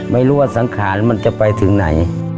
ไม่รู้ว่าสังขารมันจะไปถึงไหน